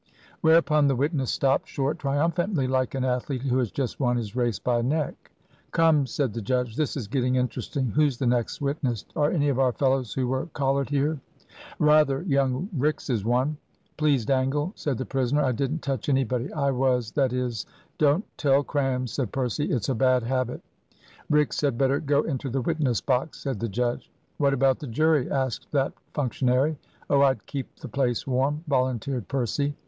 Whereupon the witness stopped short triumphantly, like an athlete who has just won his race by a neck. "Come," said the judge, "this is getting interesting. Who's the next witness? Are any of our fellows who were collared here?" "Rather young Rix is one." "Please, Dangle," said the prisoner, "I didn't touch anybody. I was that is " "Don't tell crams," said Percy, "it's a bad habit." "Rix had better go into the witness box," said the judge. "What about the jury?" asked that functionary. "Oh, I'd keep the place warm," volunteered Percy.